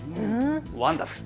ワンダフル。